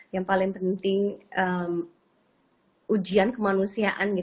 yang paling penting ujian kemanusiaan